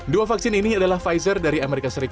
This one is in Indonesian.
dua vaksin ini adalah pfizer dari as